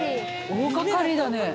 大掛かりだね。